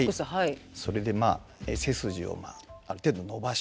それで背筋をある程度伸ばして。